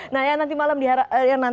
nah ya nanti malam